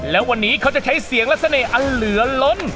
และวันนี้เขาจะใช้เสียงและเสน่ห์อันเหลือล้น